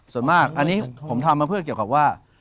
ส่วนมากอันนี้ผมทำมาเพื่อเกี่ยวกับว่า